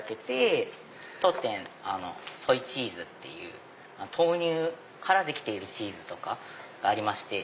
当店ソイチーズっていう豆乳からできているチーズがありまして。